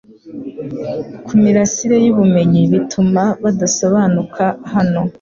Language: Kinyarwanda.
kumirasire yubumenyi bituma badasobanuka hano